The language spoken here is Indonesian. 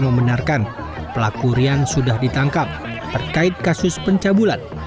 membenarkan pelaku rian sudah ditangkap terkait kasus pencabulan